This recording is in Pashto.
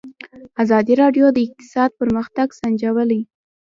ازادي راډیو د اقتصاد پرمختګ سنجولی.